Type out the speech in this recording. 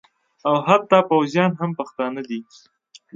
او حتی پوځیان هم پښتانه دي